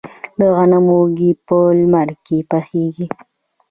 د غنمو وږي په لمر کې پخیږي.